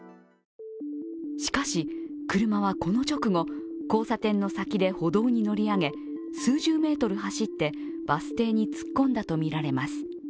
しかし、車はこの直後交差点の先で歩道に乗り上げ数十メートル走ってバス停に突っ込んだとみられます。